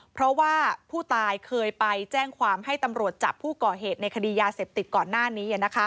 เพราะว่าผู้ตายเคยไปแจ้งความให้ตำรวจจับผู้ก่อเหตุในคดียาเสพติดก่อนหน้านี้